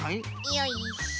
よいしょ。